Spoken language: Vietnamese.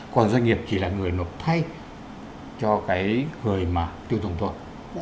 còn doanh nghiệp chỉ là người nộp thay cho cái người mà tiêu dùng thôi